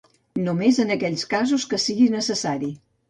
Només en aquells casos en què sigui necessari.